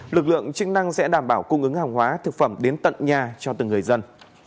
lực lượng chức năng sẽ đảm bảo cung ứng hàng hóa thực phẩm đến tận nhà cho từng người dân